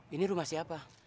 ini rumah siapa